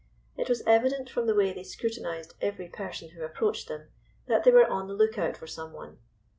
It was evident, from the way they scrutinized every person who approached them, that they were on the lookout for some one.